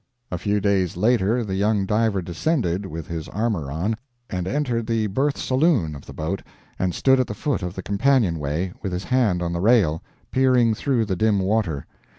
A few days later the young diver descended, with his armor on, and entered the berth saloon of the boat, and stood at the foot of the companionway, with his hand on the rail, peering through the dim water.